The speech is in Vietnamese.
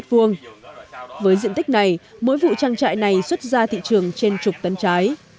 với diện tích này mỗi vụ trang trại này xuất ra thị trường trên chục tấn trái